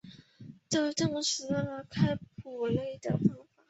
这证实了开普勒的方法。